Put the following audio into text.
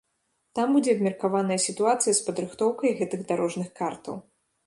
Там будзе абмеркаваная сітуацыя з падрыхтоўкай гэтых дарожных картаў.